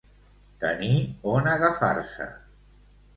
Tenir on agafar-se.